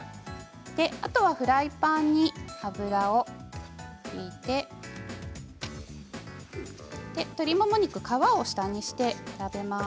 あとはフライパンに油を敷いて鶏もも肉皮を下にして炒めます。